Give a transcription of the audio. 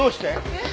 えっ？